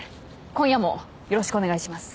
今夜もよろしくお願いします。